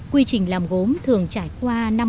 quy trình làm gốm thường trải qua